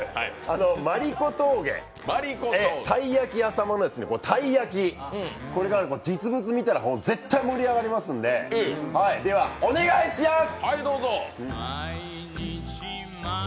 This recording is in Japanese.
丸子峠、鯛焼き屋さんの、鯛焼き、これが実物見たら絶対盛り上がりますんででは、お願いしやす！